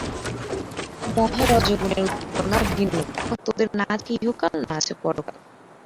মহা রজোগুণের উদ্দীপনা ভিন্ন এখন তোদের না আছে ইহকাল, না আছে পরকাল।